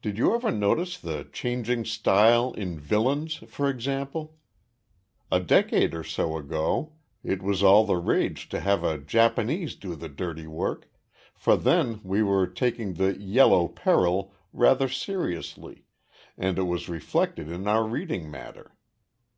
Did you ever notice the changing style in villains, for example? A decade or so ago it was all the rage to have a Japanese do the dirty work for then we were taking the 'yellow peril' rather seriously and it was reflected in our reading matter.